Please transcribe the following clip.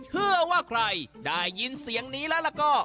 เพื่อว่าใครได้ยินเสียงนี้แล้วก็